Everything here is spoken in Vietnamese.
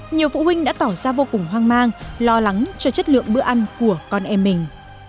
nhiều phụ huynh đã tỏ ra vô cùng hoang mang lo lắng cho chất lượng bữa ăn của con em mình